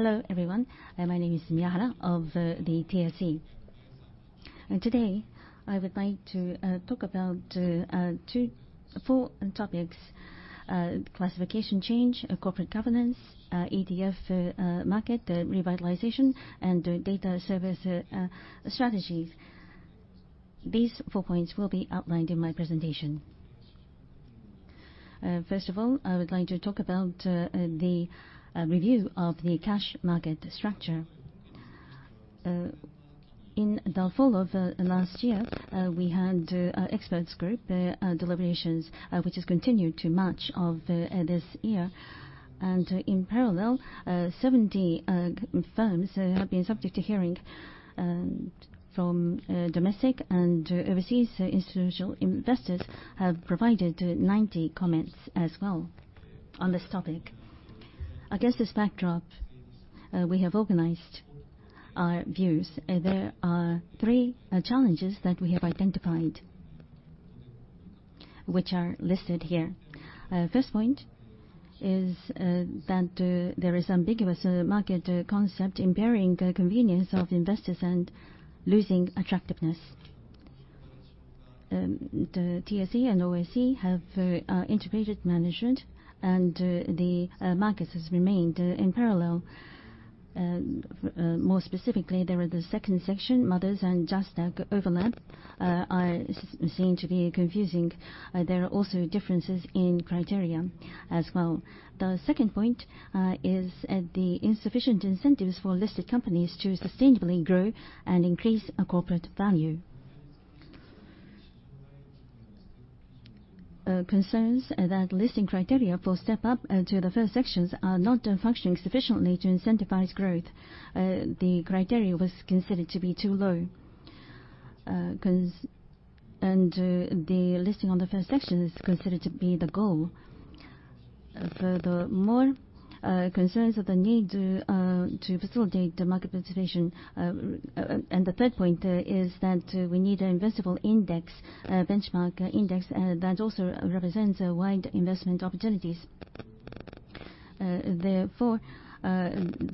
Hello everyone. My name is Miyahara of the TSE. Today, I would like to talk about four topics. Classification change, corporate governance, ETF market revitalization, and data service strategies. These four points will be outlined in my presentation. First of all, I would like to talk about the review of the cash market structure. In the fall of last year, we had experts group deliberations, which has continued to March of this year. In parallel, 70 firms have been subject to hearing, and from domestic and overseas institutional investors have provided 90 comments as well on this topic. Against this backdrop, we have organized our views. There are three challenges that we have identified, which are listed here. First point is that there is ambiguous market concept impairing convenience of investors and losing attractiveness. The TSE and OSE have integrated management, and the markets has remained in parallel. More specifically, there are the second section, Mothers and J-NET overlap are seen to be confusing. There are also differences in criteria as well. The second point is the insufficient incentives for listed companies to sustainably grow and increase corporate value. Concerns that listing criteria for step up to the first sections are not functioning sufficiently to incentivize growth. The criteria was considered to be too low. The listing on the first section is considered to be the goal. Furthermore, concerns of the need to facilitate the market participation. The third point is that we need an investable index, benchmark index, that also represents wide investment opportunities. Therefore,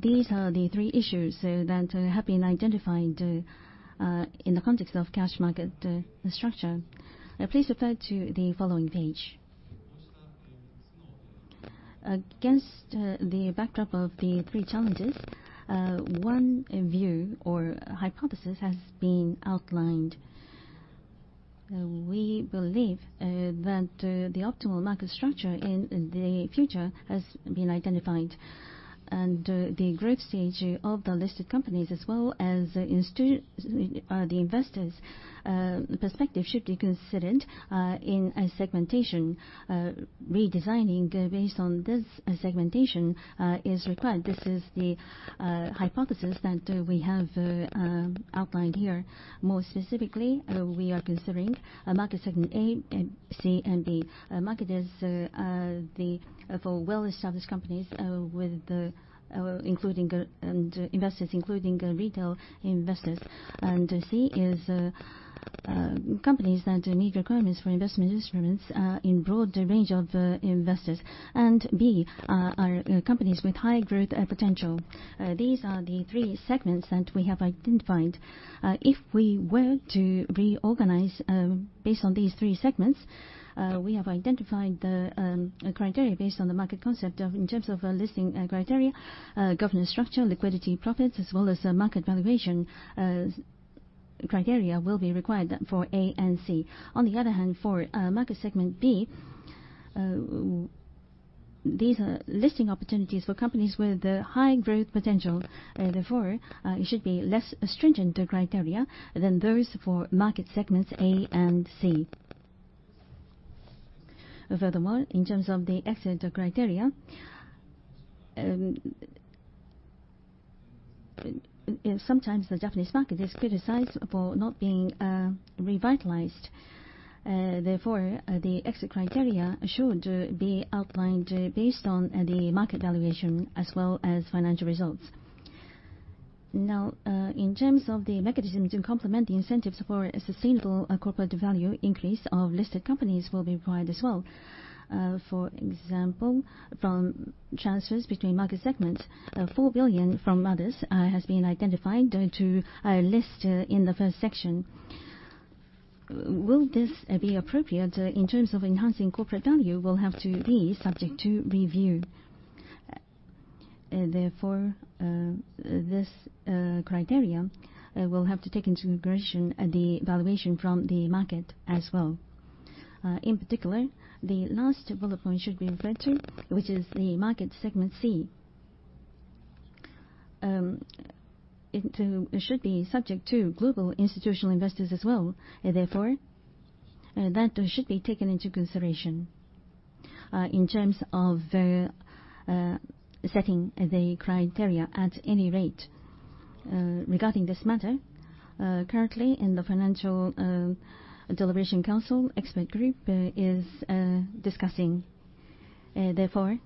these are the three issues that have been identified in the context of cash market structure. Please refer to the following page. Against the backdrop of the three challenges, one view or hypothesis has been outlined. We believe that the optimal market structure in the future has been identified. The growth stage of the listed companies as well as the investors' perspective should be considered in a segmentation. Redesigning based on this segmentation is required. This is the hypothesis that we have outlined here. More specifically, we are considering market segment A, C, and B. Market is for well-established companies with investors including retail investors. C is companies that meet requirements for investment instruments in broad range of investors. B are companies with high growth potential. These are the three segments that we have identified. If we were to reorganize based on these three segments, we have identified the criteria based on the market concept of in terms of listing criteria, governance structure, liquidity profits as well as market valuation criteria will be required for A and C. On the other hand, for market segment B, these are listing opportunities for companies with high growth potential. Therefore, it should be less stringent criteria than those for market segments A and C. Furthermore, in terms of the exit criteria, sometimes the Japanese market is criticized for not being revitalized. Therefore, the exit criteria should be outlined based on the market valuation as well as financial results. Now, in terms of the mechanism to complement the incentives for sustainable corporate value increase of listed companies will be required as well. For example, from transfers between market segment, 4 billion from Mothers has been identified to list in the first section. Will this be appropriate in terms of enhancing corporate value will have to be subject to review. Therefore, this criteria will have to take into consideration the valuation from the market as well. In particular, the last bullet point should be referred to, which is the market segment C. It should be subject to global institutional investors as well. Therefore, that should be taken into consideration in terms of setting the criteria at any rate. Regarding this matter, currently in the Financial System Council, expert group is discussing. Therefore,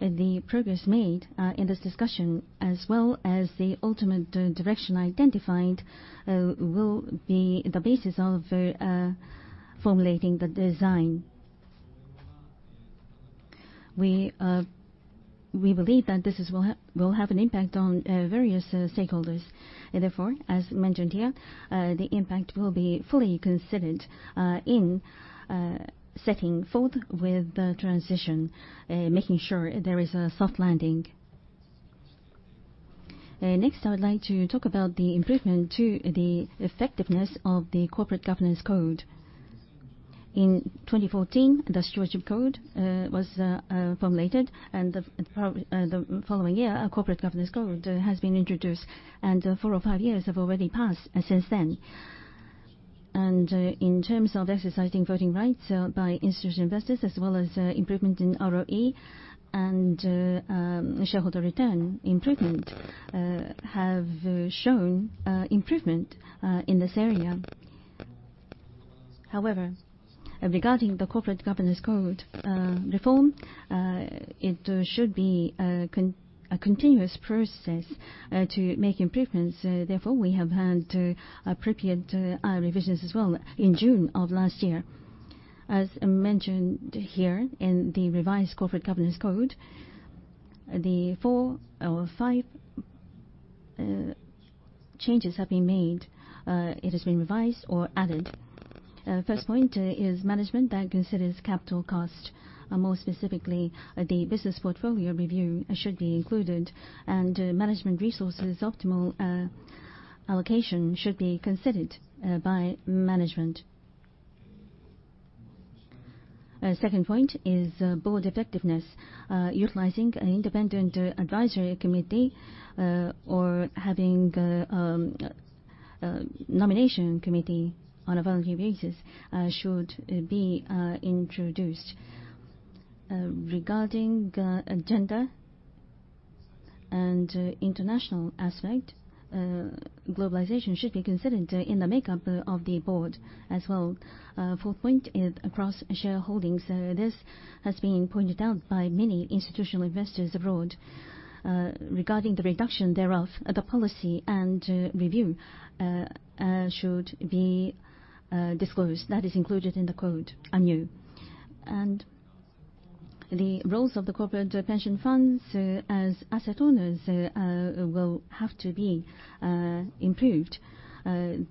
the progress made in this discussion as well as the ultimate direction identified will be the basis of formulating the design. We believe that this will have an impact on various stakeholders. Therefore, as mentioned here, the impact will be fully considered in setting forth with the transition, making sure there is a soft landing. Next, I would like to talk about the improvement to the effectiveness of the Corporate Governance Code. In 2014, the Stewardship Code was formulated, and the following year, a Corporate Governance Code has been introduced. Four or five years have already passed since then. In terms of exercising voting rights by institutional investors as well as improvement in ROE and shareholder return improvement, have shown improvement in this area. However, regarding the Corporate Governance Code reform, it should be a continuous process to make improvements. Therefore, we have had appropriate revisions as well in June of last year. As mentioned here in the revised Corporate Governance Code, the four or five changes have been made. It has been revised or added. First point is management that considers capital cost, more specifically, the business portfolio review should be included, and management resources' optimal allocation should be considered by management. Second point is board effectiveness. Utilizing an independent advisory committee or having a nomination committee on a voluntary basis should be introduced. Regarding gender and international aspect, globalization should be considered in the makeup of the board as well. Fourth point is across shareholdings. This has been pointed out by many institutional investors abroad. Regarding the reduction thereof, the policy and review should be disclosed. That is included in the code anew. The roles of the corporate pension funds as asset owners will have to be improved.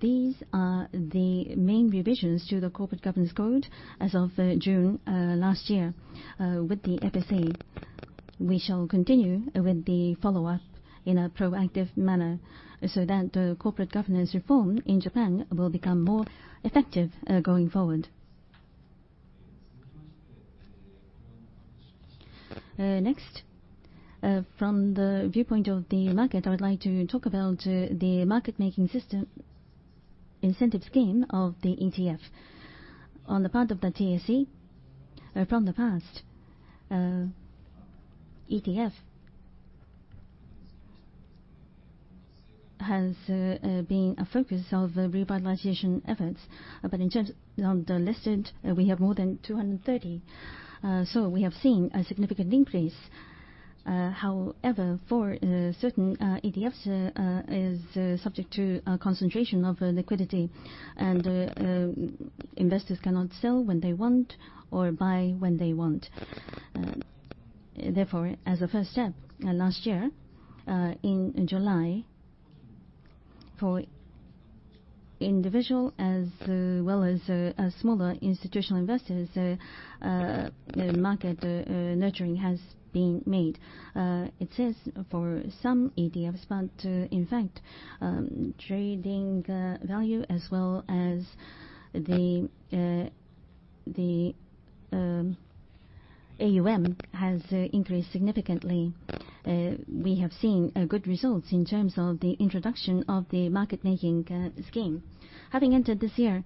These are the main revisions to the Corporate Governance Code as of June last year. With the FSA, we shall continue with the follow-up in a proactive manner so that the corporate governance reform in Japan will become more effective going forward. Next, from the viewpoint of the market, I would like to talk about the market-making system incentive scheme of the ETF. On the part of the TSE, from the past, ETF has been a focus of revitalization efforts. In terms of the listed, we have more than 230. We have seen a significant increase. However, for certain ETFs is subject to a concentration of liquidity, and investors cannot sell when they want or buy when they want. Therefore, as a first step, last year in July, for individual as well as smaller institutional investors, market nurturing has been made. It says for some ETFs, but in fact, trading value as well as the AUM has increased significantly. We have seen good results in terms of the introduction of the market making scheme. Having entered this year,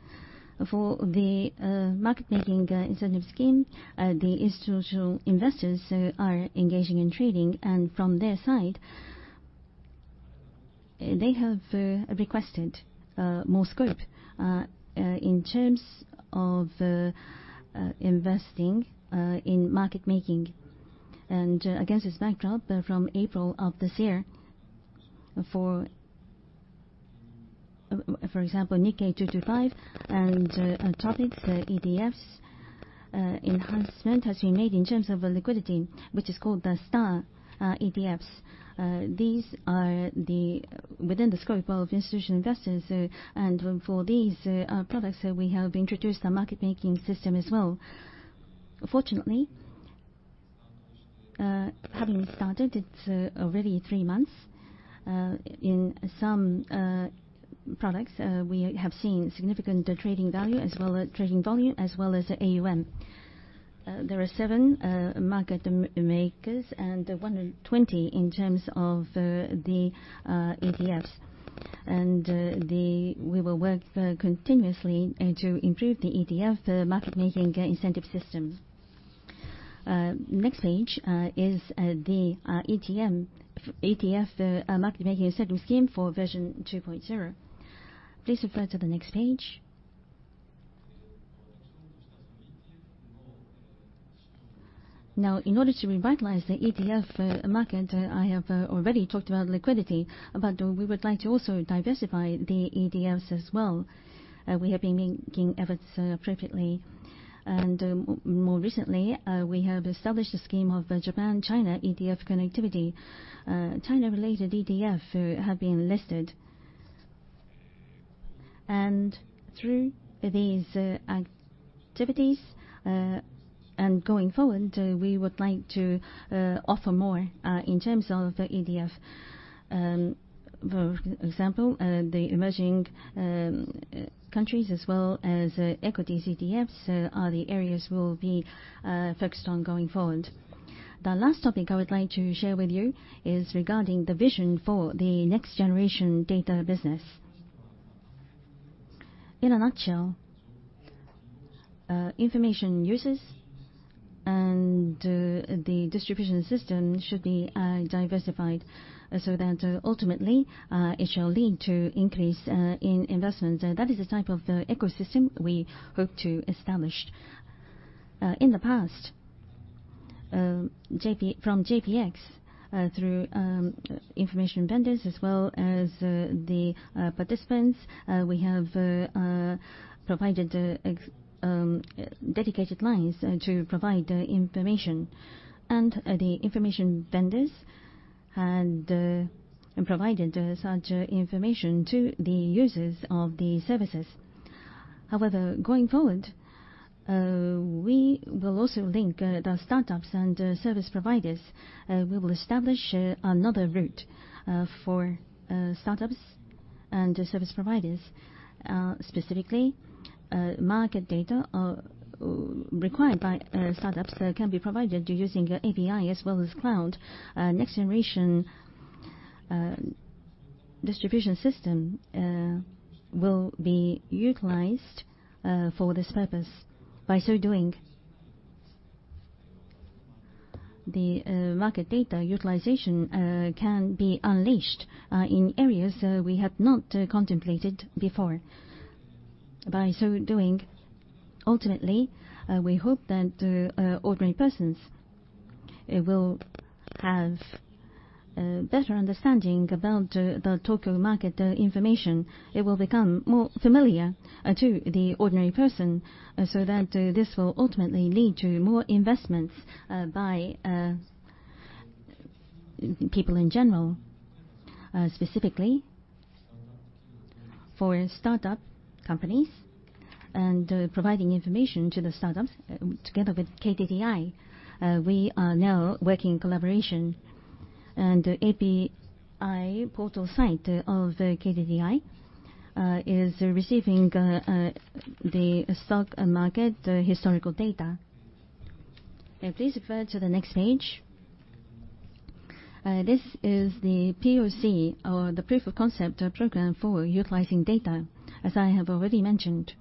for the market making incentive scheme, the institutional investors are engaging in trading, and from their side, they have requested more scope in terms of investing in market making. Against this backdrop, from April of this year, for example, Nikkei 225 and TOPIX ETFs, enhancement has been made in terms of liquidity, which is called the Star ETFs. These are within the scope of institutional investors. For these products, we have introduced a market-making system as well. Fortunately, having started, it's already three months. In some products, we have seen significant trading value as well as trading volume, as well as AUM. There are seven market makers and 120 in terms of the ETFs. We will work continuously to improve the ETF market making incentive system. Next page is the ETF market making incentive scheme for version 2.0. Please refer to the next page. In order to revitalize the ETF market, I have already talked about liquidity, but we would like to also diversify the ETFs as well. We have been making efforts appropriately. More recently, we have established a scheme of Japan-China ETF Connectivity. China-related ETF have been listed. Through these activities, and going forward, we would like to offer more in terms of the ETF. For example, the emerging countries as well as equity CDS are the areas we'll be focused on going forward. The last topic I would like to share with you is regarding the vision for the next-generation data business. In a nutshell, information users and the distribution system should be diversified so that ultimately it shall lead to increase in investments. That is the type of ecosystem we hope to establish. In the past, from JPX, through information vendors as well as the participants, we have provided dedicated lines to provide information. The information vendors had provided such information to the users of the services. However, going forward, we will also link the startups and service providers. We will establish another route for startups and service providers. Specifically, market data required by startups can be provided using API as well as cloud. Next generation distribution system will be utilized for this purpose. By so doing, the market data utilization can be unleashed in areas we have not contemplated before. By so doing, ultimately, we hope that ordinary persons will have a better understanding about the Tokyo market information. It will become more familiar to the ordinary person, so that this will ultimately lead to more investments by people in general. Specifically, for startup companies and providing information to the startups together with KDDI, we are now working in collaboration. API portal site of KDDI is receiving the stock market historical data. Please refer to the next page. This is the PoC or the Proof of concept program for utilizing data, as I have already mentioned.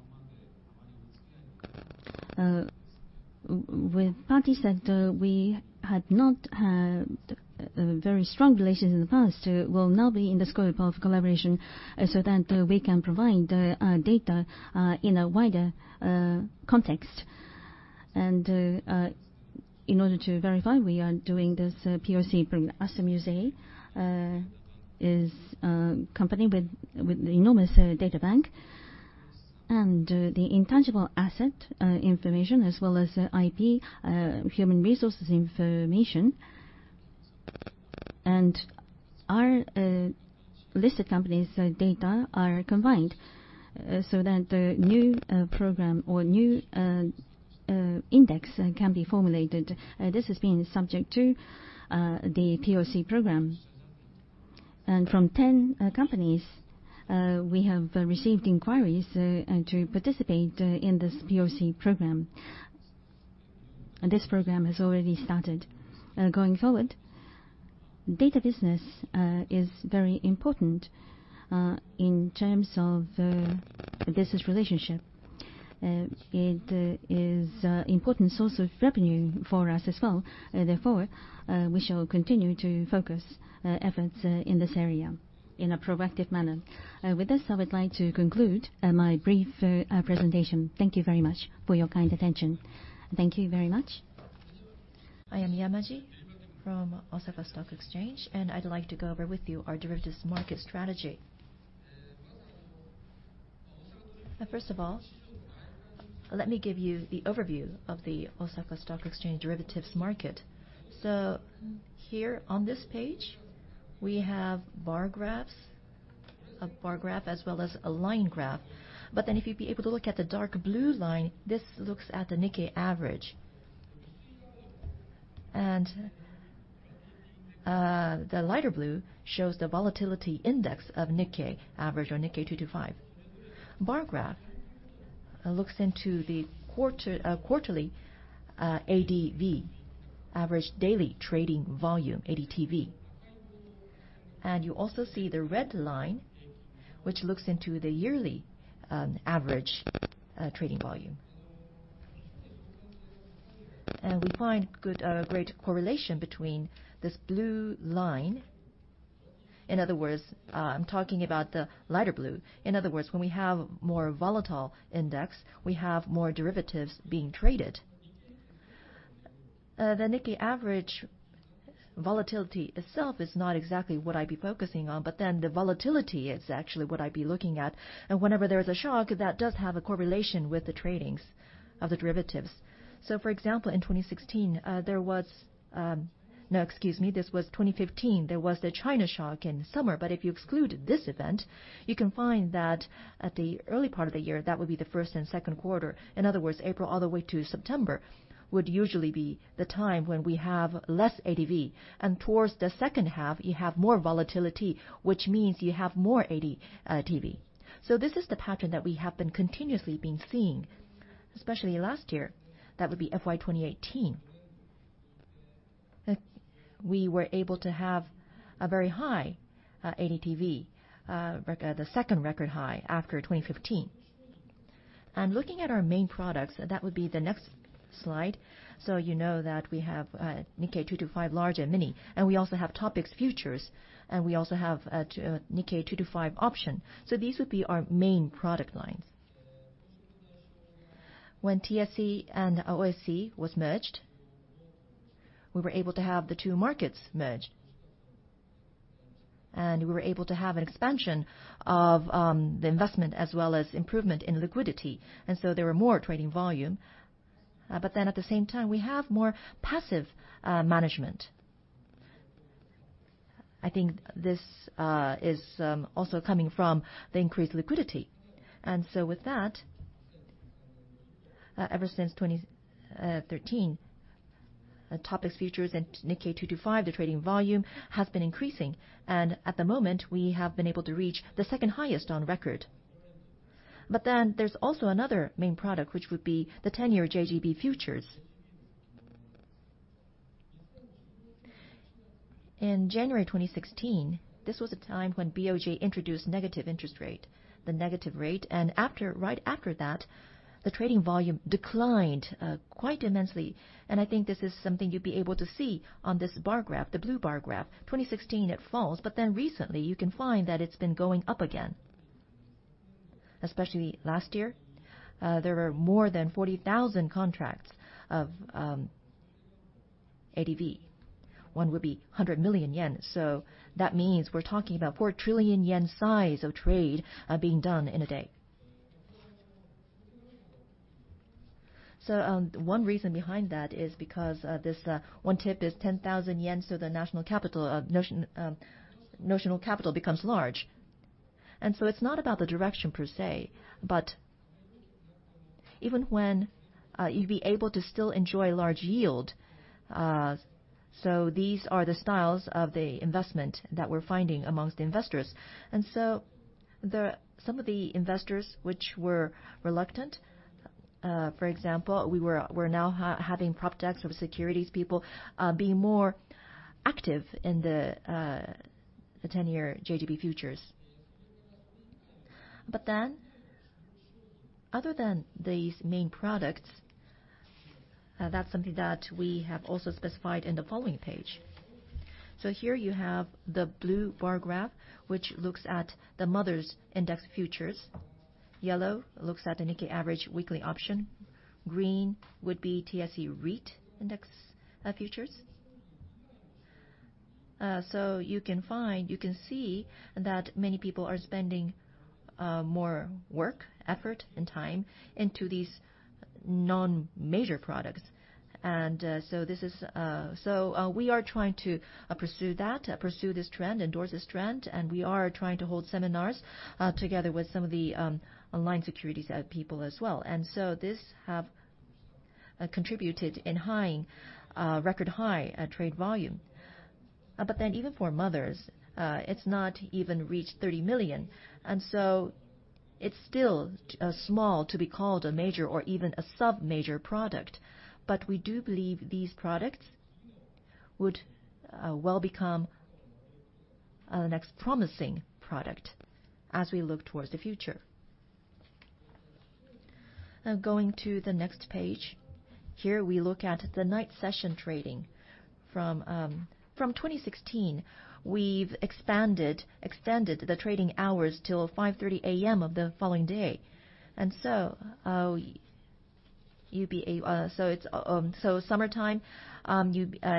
With parties that we had not had very strong relations in the past will now be in the scope of collaboration so that we can provide data in a wider context. In order to verify, we are doing this PoC from astamuse is a company with an enormous data bank. The intangible asset information as well as IP, human resources information, and our listed companies' data are combined so that the new program or new index can be formulated. This has been subject to the PoC program. From 10 companies, we have received inquiries to participate in this PoC program. This program has already started. Going forward, data business is very important in terms of business relationship. It is important source of revenue for us as well. We shall continue to focus efforts in this area in a proactive manner. I would like to conclude my brief presentation. Thank you very much for your kind attention. Thank you very much. I am Yamaji from Osaka Exchange. I'd like to go over with you our derivatives market strategy. First of all, let me give you the overview of the Osaka Exchange derivatives market. Here on this page, we have bar graphs, a bar graph as well as a line graph. If you'd be able to look at the dark blue line, this looks at the Nikkei average. The lighter blue shows the volatility index of Nikkei average or Nikkei 225. Bar graph looks into the quarterly ADV, average daily trading volume, ADTV. You also see the red line, which looks into the yearly average trading volume. We find great correlation between this blue line. In other words, I'm talking about the lighter blue. In other words, when we have more volatile index, we have more derivatives being traded. The Nikkei Average volatility itself is not exactly what I'd be focusing on. The volatility is actually what I'd be looking at. Whenever there is a shock, that does have a correlation with the tradings of the derivatives. For example, in 2015, there was the China shock in summer, but if you exclude this event, you can find that at the early part of the year, that would be the first and second quarter. In other words, April all the way to September, would usually be the time when we have less ADV. Towards the second half, you have more volatility, which means you have more ADTV. This is the pattern that we have been continuously seeing, especially last year. That would be FY 2018. We were able to have a very high ADTV, the second record high after 2015. Looking at our main products, that would be the next slide. You know that we have Nikkei 225 Large and mini, we also have TOPIX Futures, we also have Nikkei 225 Option. These would be our main product lines. When TSE and OSE was merged, we were able to have the two markets merged, we were able to have an expansion of the investment as well as improvement in liquidity. There were more trading volume. At the same time, we have more passive management. I think this is also coming from the increased liquidity. With that, ever since 2013, TOPIX Futures and Nikkei 225, the trading volume has been increasing. At the moment, we have been able to reach the second highest on record. There's also another main product, which would be the 10-year JGB Futures. In January 2016, this was a time when BOJ introduced negative interest rate, the negative rate. Right after that, the trading volume declined quite immensely. I think this is something you'd be able to see on this bar graph, the blue bar graph. 2016, it falls. Recently you can find that it's been going up again. Especially last year, there were more than 40,000 contracts of ADV. One would be 100 million yen. That means we're talking about 4 trillion yen size of trade being done in a day. One reason behind that is because this one tip is 10,000 yen, so the notional capital becomes large. It's not about the direction per se, but even when you'd be able to still enjoy large yield. These are the styles of the investment that we're finding amongst investors. Some of the investors which were reluctant, for example, we're now having prop desks of securities people being more active in the 10-year JGB Futures. Other than these main products, that's something that we have also specified in the following page. Here you have the blue bar graph, which looks at the Mothers Index Futures. Yellow looks at the Nikkei 225 Weekly Option. Green would be TSE REIT Index Futures. You can see that many people are spending more work, effort, and time into these non-major products. We are trying to pursue that, pursue this trend, endorse this trend. We are trying to hold seminars together with some of the online securities people as well. This has contributed in record high trade volume. Even for Mothers, it's not even reached 30 million. It's still small to be called a major or even a sub-major product. We do believe these products would well become a next promising product as we look towards the future. Going to the next page. Here, we look at the night session trading. From 2016, we've expanded, extended the trading hours till 5:30 A.M. of the following day. Summertime, it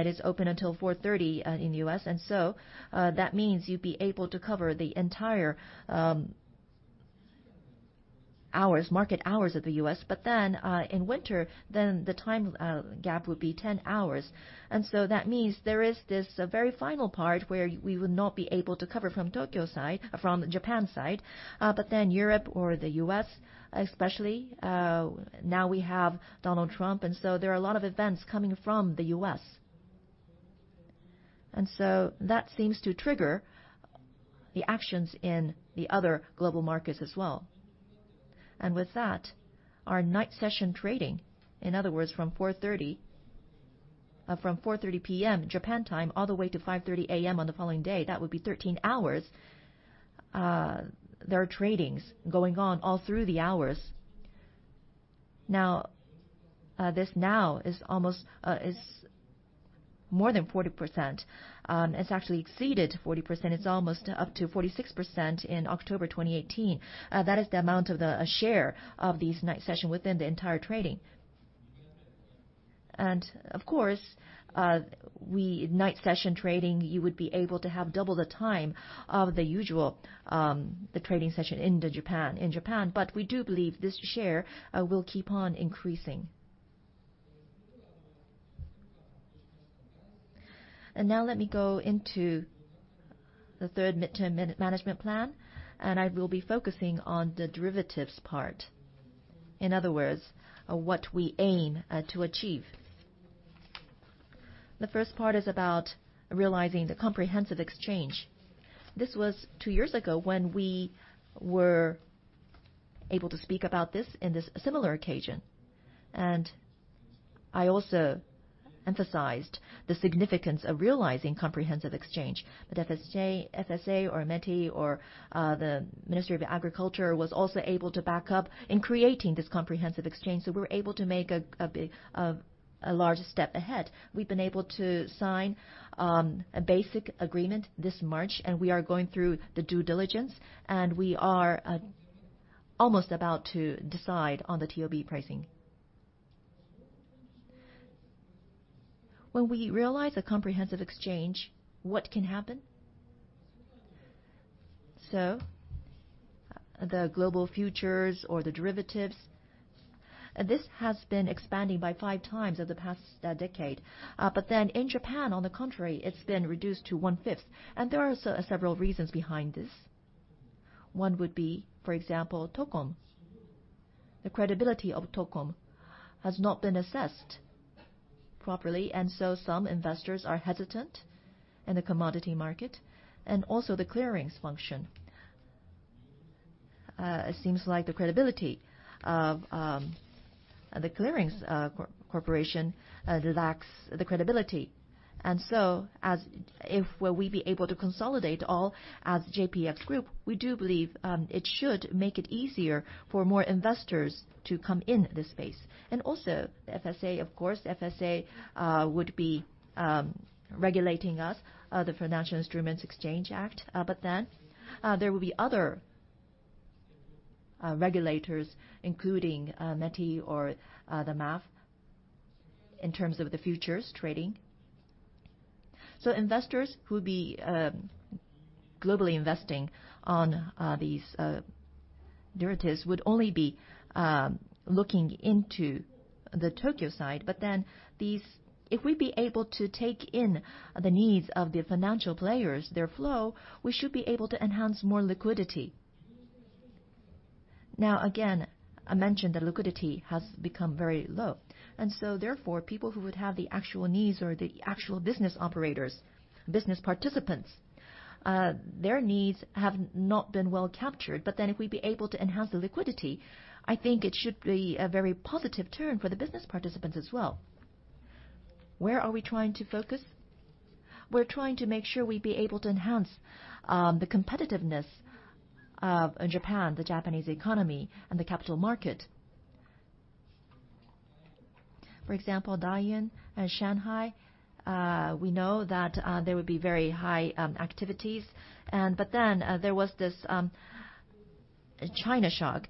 is open until 4:30 in U.S. That means you'd be able to cover the entire market hours of the U.S. In winter, the time gap would be 10 hours. That means there is this very final part where we would not be able to cover from Tokyo side, from Japan side. Europe or the U.S., especially now we have Donald Trump, there are a lot of events coming from the U.S. That seems to trigger the actions in the other global markets as well. With that, our night session trading, in other words, from 4:30 P.M. Japan time, all the way to 5:30 A.M. on the following day, that would be 13 hours. There are tradings going on all through the hours. This now is more than 40%. It's actually exceeded 40%. It's almost up to 46% in October 2018. That is the amount of the share of these night session within the entire trading. Of course, night session trading, you would be able to have double the time of the usual trading session in Japan. We do believe this share will keep on increasing. Now let me go into the third mid-term management plan, and I will be focusing on the derivatives part. In other words, what we aim to achieve. The first part is about realizing the comprehensive exchange. This was two years ago when we were able to speak about this in this similar occasion, and I also emphasized the significance of realizing comprehensive exchange. The FSA or METI or the Ministry of Agriculture was also able to back up in creating this comprehensive exchange. We were able to make a large step ahead. We've been able to sign a basic agreement this March, and we are going through the due diligence, and we are almost about to decide on the TOB pricing. When we realize a comprehensive exchange, what can happen? The global futures or the derivatives, this has been expanding by five times over the past decade. In Japan, on the contrary, it's been reduced to one-fifth. There are several reasons behind this. One would be, for example, TOCOM. The credibility of TOCOM has not been assessed properly, and so some investors are hesitant in the commodity market. Also the clearings function. It seems like the credibility of the clearings corporation lacks the credibility. If we'll be able to consolidate all as JPX Group, we do believe it should make it easier for more investors to come in this space. Also, FSA, of course, would be regulating us, the Financial Instruments and Exchange Act. There will be other regulators, including METI or the MAFF, in terms of the futures trading. Investors who'll be globally investing on these derivatives would only be looking into the Tokyo side. If we'd be able to take in the needs of the financial players, their flow, we should be able to enhance more liquidity. Again, I mentioned the liquidity has become very low. Therefore, people who would have the actual needs or the actual business operators, business participants, their needs have not been well captured. If we'd be able to enhance the liquidity, I think it should be a very positive turn for the business participants as well. Where are we trying to focus? We're trying to make sure we'd be able to enhance the competitiveness of Japan, the Japanese economy, and the capital market. For example, Dalian and Shanghai, we know that there would be very high activities. There was this China shock,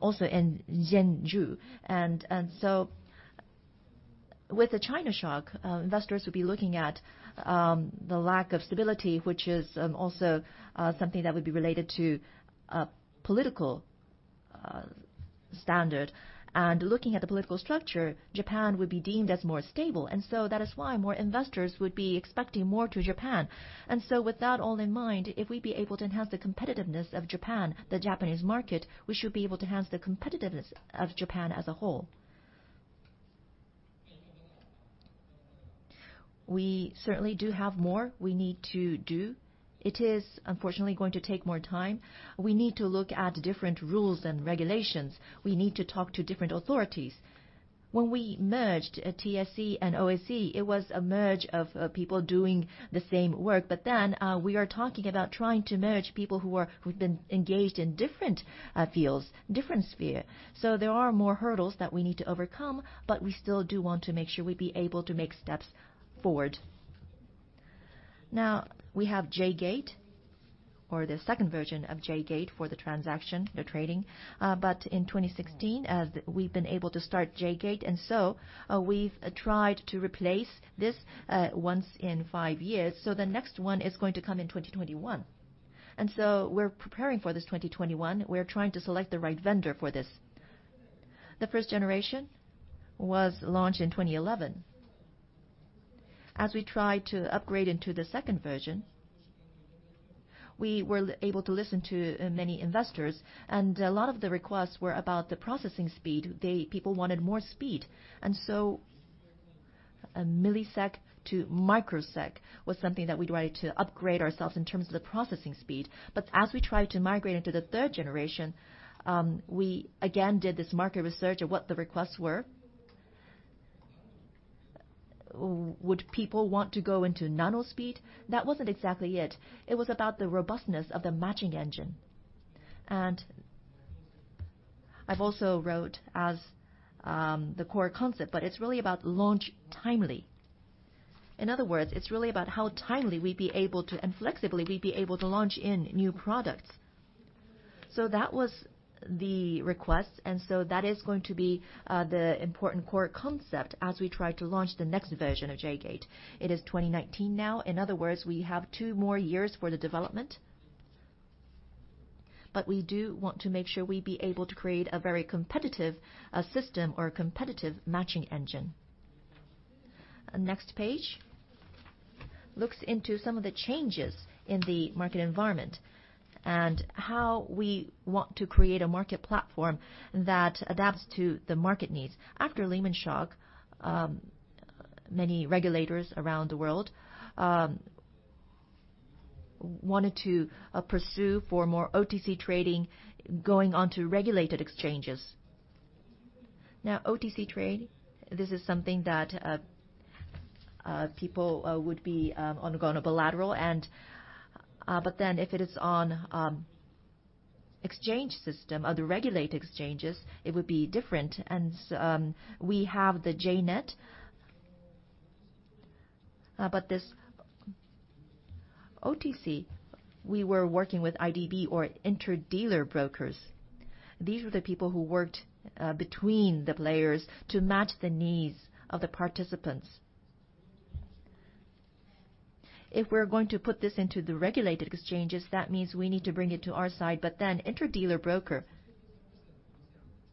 also in Zhengzhou. With the China shock, investors would be looking at the lack of stability, which is also something that would be related to political standard. Looking at the political structure, Japan would be deemed as more stable. That is why more investors would be expecting more to Japan. With that all in mind, if we'd be able to enhance the competitiveness of Japan, the Japanese market, we should be able to enhance the competitiveness of Japan as a whole. We certainly do have more we need to do. It is unfortunately going to take more time. We need to look at different rules and regulations. We need to talk to different authorities. When we merged TSE and OSE, it was a merge of people doing the same work. We are talking about trying to merge people who've been engaged in different fields, different sphere. There are more hurdles that we need to overcome, but we still do want to make sure we'd be able to make steps forward. Now we have J-GATE or the 2nd version of J-GATE for the transaction, the trading. In 2016, as we've been able to start J-GATE, and so we've tried to replace this once in 5 years. The next one is going to come in 2021. We're preparing for this 2021. We're trying to select the right vendor for this. The 1st generation was launched in 2011. We tried to upgrade into the 2nd version, we were able to listen to many investors, and a lot of the requests were about the processing speed. People wanted more speed, and so a millisecond to microsecond was something that we tried to upgrade ourselves in terms of the processing speed. As we tried to migrate into the 3rd generation, we again did this market research of what the requests were. Would people want to go into nano speed? That wasn't exactly it. It was about the robustness of the matching engine. I've also wrote as the core concept, but it's really about launch timely. In other words, it's really about how timely we'd be able to, and flexibly we'd be able to launch in new products. That was the request, and so that is going to be the important core concept as we try to launch the next version of J-GATE. It is 2019 now. In other words, we have two more years for the development. We do want to make sure we be able to create a very competitive system or competitive matching engine. Next page looks into some of the changes in the market environment and how we want to create a market platform that adapts to the market needs. After Lehman shock, many regulators around the world wanted to pursue for more OTC trading going onto regulated exchanges. OTC trade, this is something that people would be on a bilateral end. If it is on exchange system, the regulated exchanges, it would be different. We have the J-NET. This OTC, we were working with IDB or inter-dealer brokers. These were the people who worked between the players to match the needs of the participants. If we're going to put this into the regulated exchanges, that means we need to bring it to our side, but then inter-dealer broker,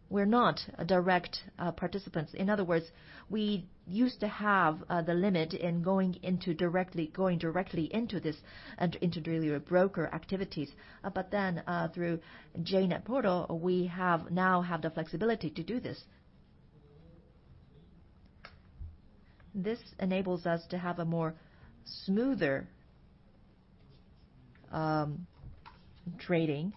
we're not direct participants. In other words, we used to have the limit in going directly into this inter-dealer broker activities. Through J-NET Portal, we now have the flexibility to do this. This enables us to have a more smoother trading,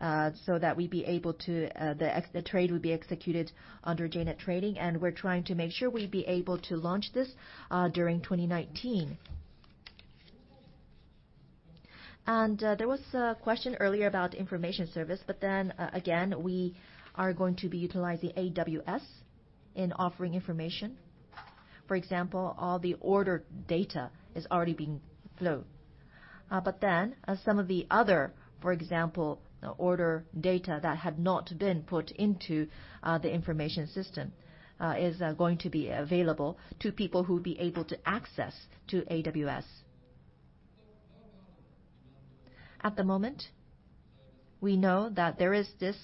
so that the trade will be executed under J-NET trading, and we're trying to make sure we be able to launch this during 2019. There was a question earlier about information service, but then again, we are going to be utilizing AWS in offering information. For example, all the order data is already being flowed. Some of the other, for example, order data that had not been put into the information system, is going to be available to people who will be able to access to AWS. At the moment, we know that there is this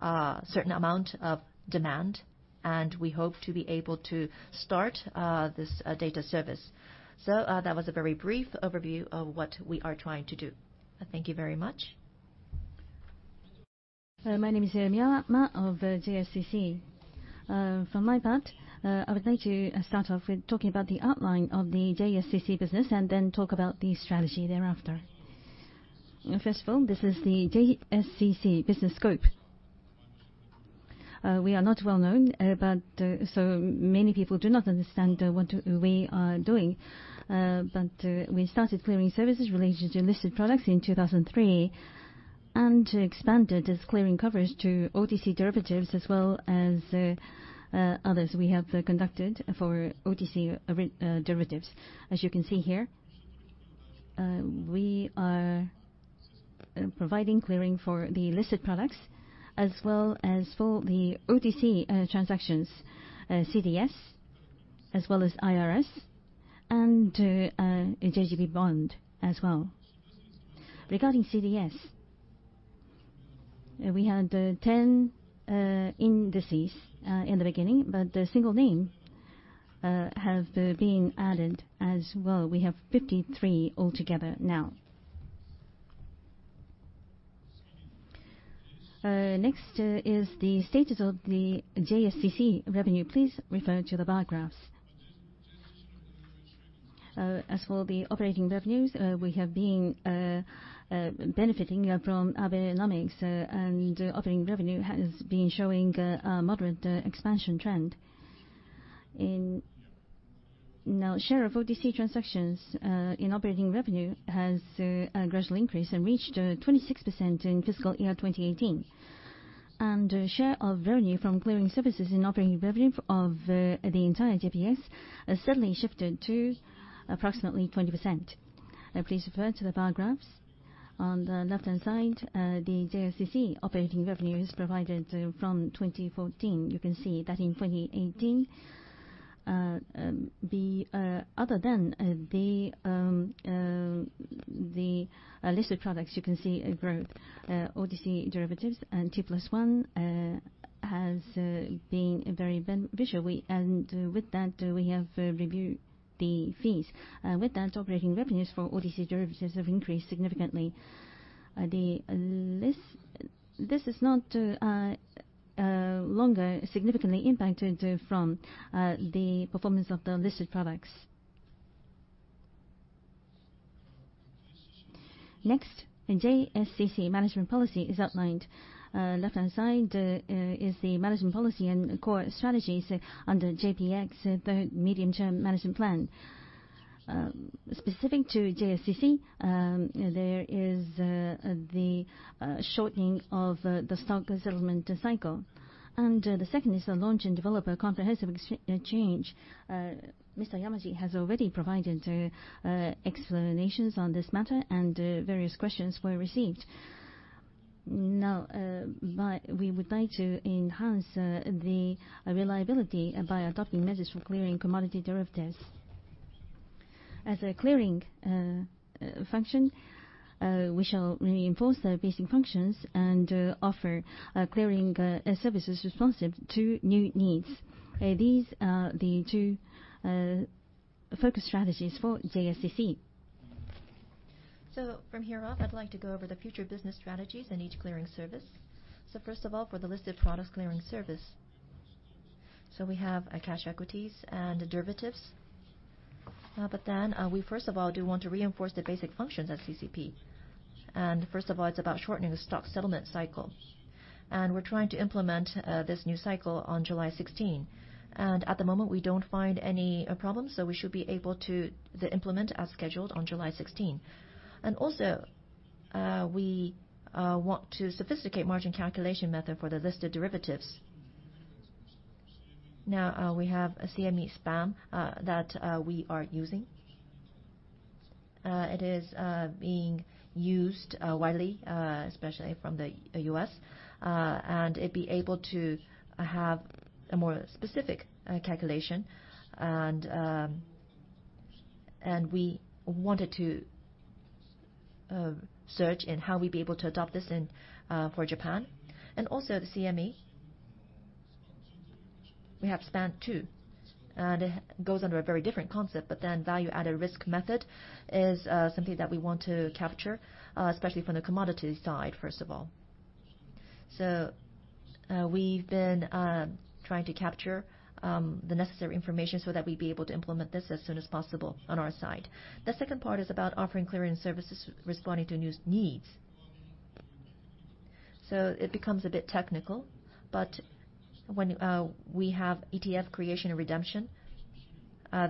certain amount of demand, and we hope to be able to start this data service. That was a very brief overview of what we are trying to do. Thank you very much. My name is Hironaga Miyama of JSCC. For my part, I would like to start off with talking about the outline of the JSCC business and then talk about the strategy thereafter. First of all, this is the JSCC business scope. We are not well-known, so many people do not understand what we are doing. We started clearing services related to listed products in 2003 and expanded this clearing coverage to OTC derivatives as well as others we have conducted for OTC derivatives. As you can see here, we are providing clearing for the listed products as well as for the OTC transactions, CDS, as well as IRS, and JGB bond as well. Regarding CDS, we had 10 indices in the beginning, but a single name have been added as well. We have 53 altogether now. Is the status of the JSCC revenue. Please refer to the bar graphs. As for the operating revenues, we have been benefiting from Abenomics, and operating revenue has been showing a moderate expansion trend. Now share of OTC transactions in operating revenue has gradually increased and reached 26% in fiscal year 2018. Share of revenue from clearing services in operating revenue of the entire JPX has suddenly shifted to approximately 20%. Please refer to the bar graphs. On the left-hand side, the JSCC operating revenue is provided from 2014. You can see that in 2018, other than the listed products, you can see a growth. OTC derivatives and T+2 has been very beneficial. With that, we have reviewed the fees. With that, operating revenues for OTC derivatives have increased significantly. This is no longer significantly impacted from the performance of the listed products. The JSCC management policy is outlined. Left-hand side is the management policy and core strategies under JPX, the medium-term management plan. Specific to JSCC, there is the shortening of the stock settlement cycle. The second is the launch and develop a comprehensive exchange. Mr. Yamaji has already provided explanations on this matter, and various questions were received. We would like to enhance the reliability by adopting measures for clearing commodity derivatives. As a clearing function, we shall reinforce the basic functions and offer clearing services responsive to new needs. These are the two focus strategies for JSCC. From here on, I'd like to go over the future business strategies in each clearing service. First of all, for the listed products clearing service. We have cash equities and derivatives. We first of all, do want to reinforce the basic functions at CCP. First of all, it's about shortening the stock settlement cycle. We're trying to implement this new cycle on July 16. At the moment, we don't find any problems, so we should be able to implement as scheduled on July 16. Also, we want to sophisticate margin calculation method for the listed derivatives. Now, we have a CME SPAN that we are using. It is being used widely, especially from the U.S., and it be able to have a more specific calculation. We wanted to search in how we'd be able to adopt this for Japan. Also the CME. We have SPAN 2. It goes under a very different concept, value-at-risk method is something that we want to capture, especially from the commodity side, first of all. We've been trying to capture the necessary information so that we'd be able to implement this as soon as possible on our side. The second part is about offering clearing services responding to new needs. It becomes a bit technical, but when we have ETF creation and redemption,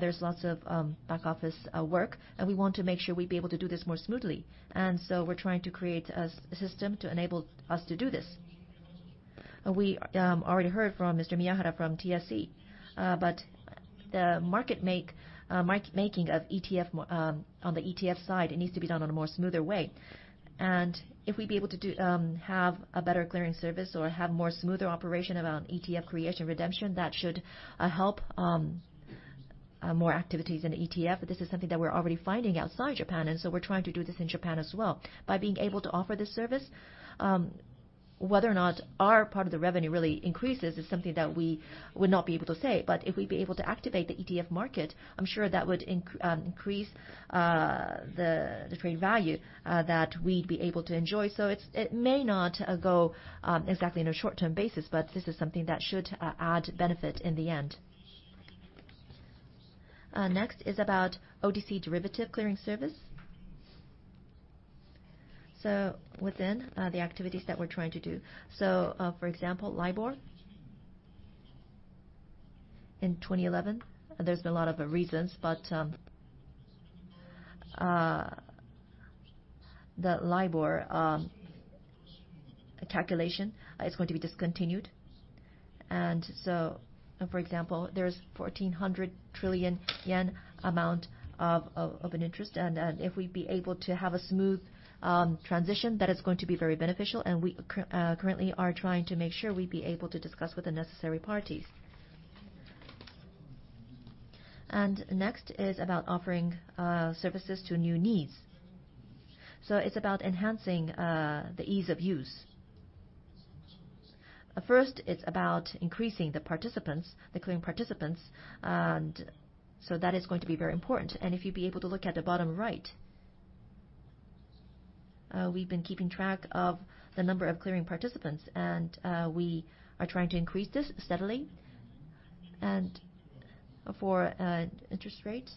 there's lots of back-office work, and we want to make sure we'd be able to do this more smoothly. We're trying to create a system to enable us to do this. We already heard from Mr. Miyahara from TSE, but the market making on the ETF side, it needs to be done in a more smoother way. If we'd be able to have a better clearing service or have more smoother operation around ETF creation redemption, that should help more activities in ETF. This is something that we're already finding outside Japan, we're trying to do this in Japan as well. By being able to offer this service, whether or not our part of the revenue really increases is something that we would not be able to say. If we'd be able to activate the ETF market, I'm sure that would increase the trade value that we'd be able to enjoy. It may not go exactly in a short-term basis, but this is something that should add benefit in the end. Next is about OTC derivative clearing service. Within the activities that we're trying to do. For example, LIBOR. In 2011, there's been a lot of reasons, but the LIBOR calculation is going to be discontinued. For example, there's 1,400 trillion yen amount of an interest. If we'd be able to have a smooth transition, that is going to be very beneficial, and we currently are trying to make sure we'd be able to discuss with the necessary parties. Next is about offering services to new needs. It's about enhancing the ease of use. First, it's about increasing the participants, the clearing participants. That is going to be very important. If you'd be able to look at the bottom right, we've been keeping track of the number of clearing participants, and we are trying to increase this steadily. For interest rates,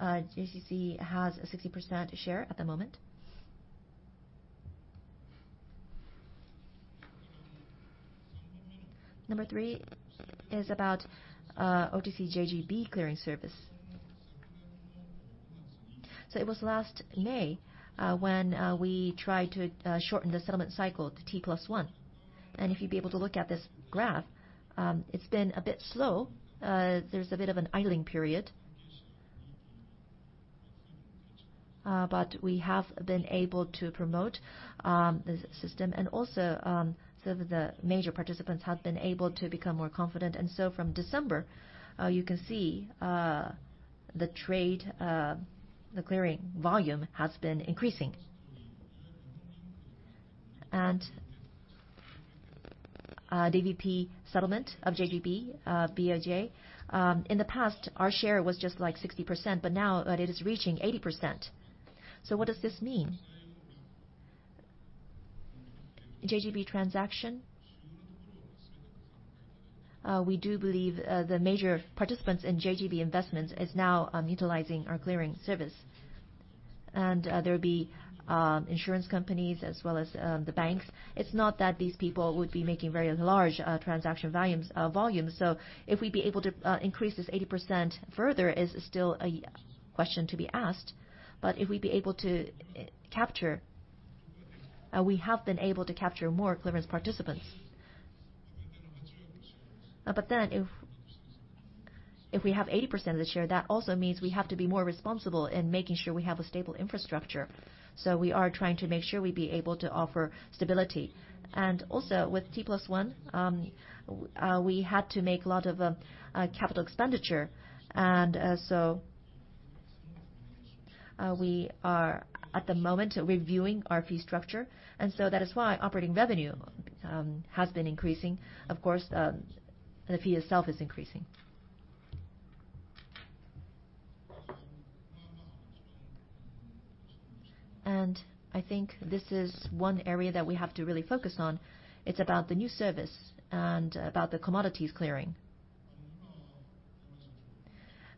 JSCC has a 60% share at the moment. Number 3 is about OTC JGB clearing service. It was last May when we tried to shorten the settlement cycle to T+1. If you'd be able to look at this graph, it's been a bit slow. There's a bit of an idling period. We have been able to promote the system, and also some of the major participants have been able to become more confident. From December, you can see the trade, the clearing volume has been increasing. DVP settlement of JGB, BOJ. In the past, our share was just like 60%, but now it is reaching 80%. What does this mean? JGB transaction. We do believe the major participants in JGB investments is now utilizing our clearing service. There will be insurance companies as well as the banks. It's not that these people would be making very large transaction volumes. If we'd be able to increase this 80% further is still a question to be asked. If we'd be able to capture, we have been able to capture more clearance participants. If we have 80% of the share, that also means we have to be more responsible in making sure we have a stable infrastructure. We are trying to make sure we'd be able to offer stability. Also with T+1, we had to make a lot of capital expenditure. We are at the moment reviewing our fee structure. That is why operating revenue has been increasing. Of course, the fee itself is increasing. I think this is one area that we have to really focus on. It's about the new service, and about the commodities clearing.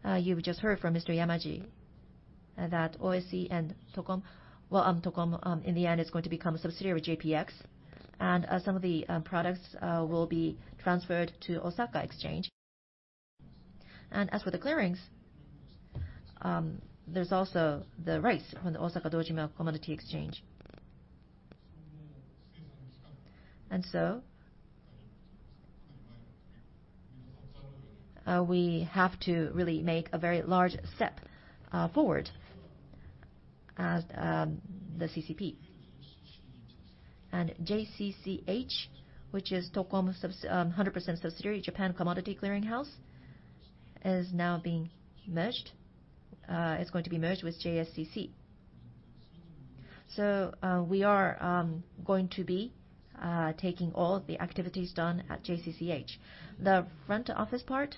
You've just heard from Mr. Yamaji that OSE and TOCOM, in the end, is going to become a subsidiary of JPX. Some of the products will be transferred to Osaka Exchange. As for the clearings, there's also the rice from the Osaka Dojima Commodity Exchange. We have to really make a very large step forward as the CCP. JCCH, which is TOCOM's 100% subsidiary, Japan Commodity Clearing House, is now being merged. It's going to be merged with JSCC. We are going to be taking all of the activities done at JCCH. The front-office part,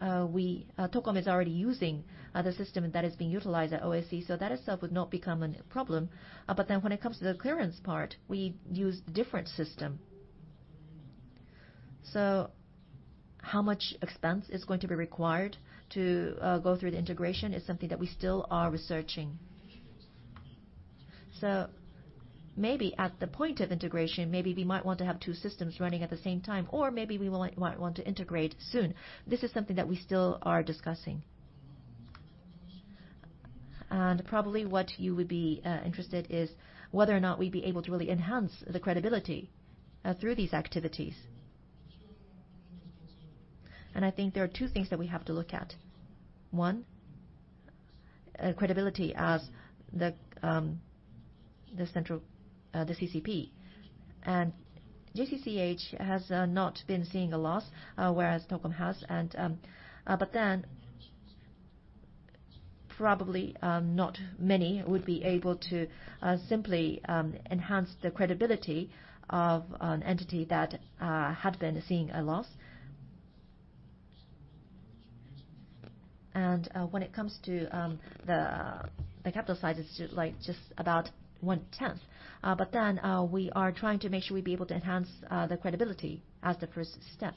TOCOM is already using the system that is being utilized at OSE, so that itself would not become a problem. When it comes to the clearance part, we use different system. How much expense is going to be required to go through the integration is something that we still are researching. Maybe at the point of integration, maybe we might want to have two systems running at the same time, or maybe we might want to integrate soon. This is something that we still are discussing. Probably what you would be interested is whether or not we'd be able to really enhance the credibility through these activities. I think there are two things that we have to look at. One, credibility as the CCP. JCCH has not been seeing a loss, whereas TOCOM has. Probably not many would be able to simply enhance the credibility of an entity that had been seeing a loss. When it comes to the capital side, it's just about one-tenth. We are trying to make sure we'd be able to enhance the credibility as the first step.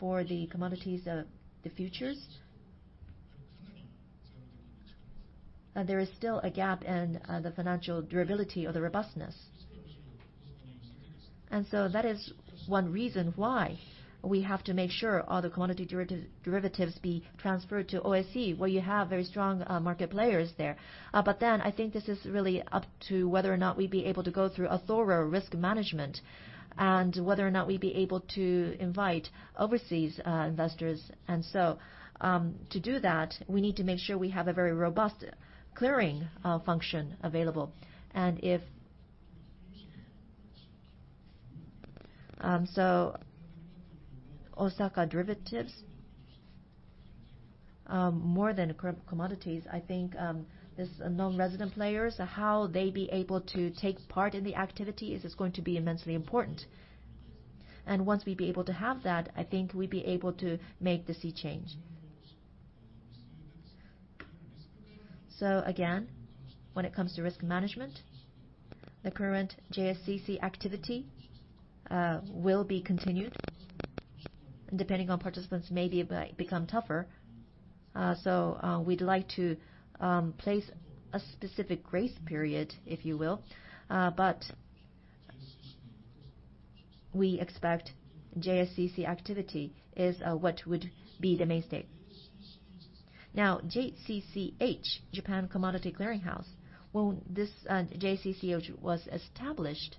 For the commodities, the futures. There is still a gap in the financial durability or the robustness. That is one reason why we have to make sure all the commodity derivatives be transferred to OSE, where you have very strong market players there. I think this is really up to whether or not we'd be able to go through a thorough risk management and whether or not we'd be able to invite overseas investors. To do that, we need to make sure we have a very robust clearing function available. Osaka derivatives, more than commodities, I think these non-resident players, how they'd be able to take part in the activity is just going to be immensely important. Once we'd be able to have that, I think we'd be able to make the sea change. Again, when it comes to risk management, the current JSCC activity will be continued, and depending on participants, maybe become tougher. We'd like to place a specific grace period, if you will. We expect JSCC activity is what would be the mainstay. JCCH, Japan Commodity Clearing House. When this JCCH was established,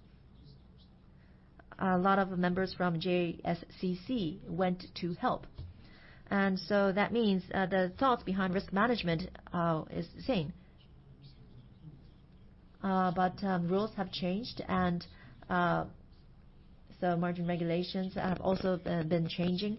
a lot of members from JSCC went to help. That means the thought behind risk management is the same. Rules have changed, margin regulations have also been changing.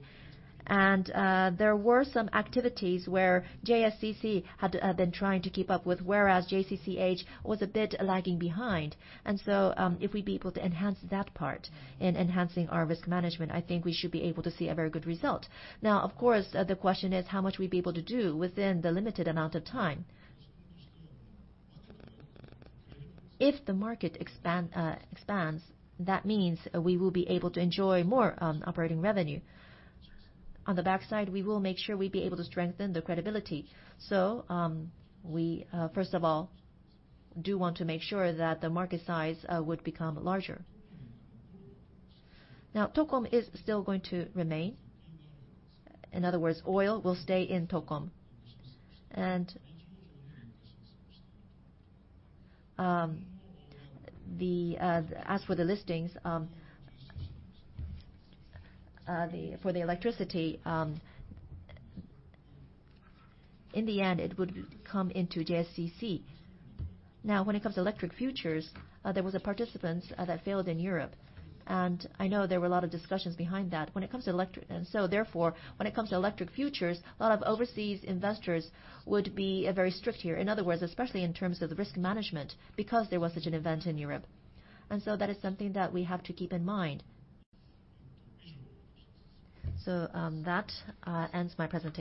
There were some activities where JSCC had been trying to keep up with, whereas JCCH was a bit lagging behind. If we'd be able to enhance that part in enhancing our risk management, I think we should be able to see a very good result. Of course, the question is how much we'd be able to do within the limited amount of time. If the market expands, that means we will be able to enjoy more operating revenue. On the backside, we will make sure we'd be able to strengthen the credibility. We, first of all, do want to make sure that the market size would become larger. TOCOM is still going to remain. In other words, oil will stay in TOCOM. As for the listings for the electricity, in the end, it would come into JSCC. When it comes to electric futures, there was a participant that failed in Europe. I know there were a lot of discussions behind that. When it comes to electric futures, a lot of overseas investors would be very strict here. In other words, especially in terms of the risk management, because there was such an event in Europe. That is something that we have to keep in mind. That ends my presentation.